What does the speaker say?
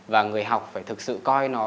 và người học phải thực sự coi nó